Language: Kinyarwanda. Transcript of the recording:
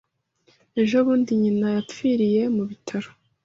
Ejo bundi nyina yapfiriye mu bitaro.